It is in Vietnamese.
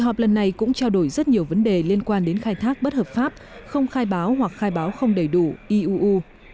kỳ họp lần này cũng trao đổi rất nhiều vấn đề liên quan đến khai thác bất hợp pháp không khai báo hoặc khai báo không đầy đủ iuu